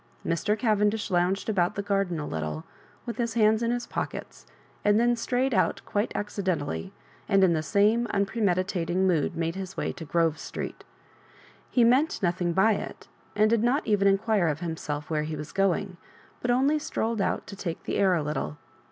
Mr. Cavendish louDged about the garden a little, with his hands in his pockets, and then strayed out quite acd dentaliy, and in the same unpremeditating mood made his way to Grove Street He meant no thing by it, and did not even inquire of himself where he was going, but only strolled out to take the aur a little.